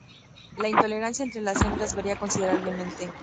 La intolerancia entre las hembras varía considerablemente.